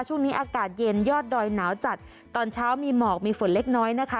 ช่วงนี้อากาศเย็นยอดดอยหนาวจัดตอนเช้ามีหมอกมีฝนเล็กน้อยนะคะ